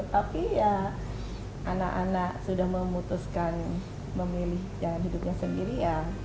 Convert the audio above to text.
tapi ya anak anak sudah memutuskan memilih jalan hidupnya sendiri ya